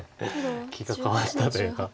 気が変わったというか。